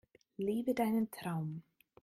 Lebe deinen Traum!